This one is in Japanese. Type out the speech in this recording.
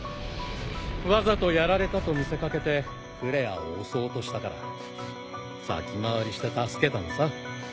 わざとやられたと見せかけてクレアを襲おうとしたから先回りして助けたのさ。